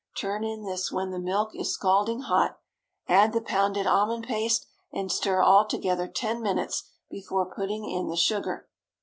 Turn in this when the milk is scalding hot; add the pounded almond paste, and stir all together ten minutes before putting in the sugar.